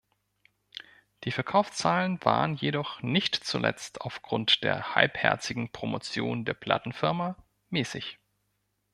Die Verkaufszahlen waren jedoch, nicht zuletzt aufgrund der halbherzigen Promotion der Plattenfirma, mäßig.